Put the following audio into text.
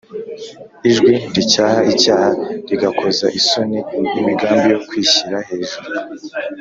. Ijwi ricyaha icyaha, rigakoza isoni imigambi yo kwishyira hejuru